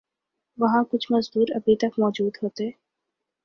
وہاں کچھ مزدور ابھی تک موجود ہوتے